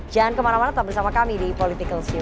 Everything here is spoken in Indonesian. jangan kemana mana tetap bersama kami di politikals io